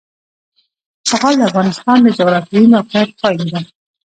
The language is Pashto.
زغال د افغانستان د جغرافیایي موقیعت پایله ده.